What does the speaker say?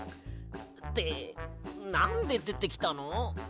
ってなんででてきたの？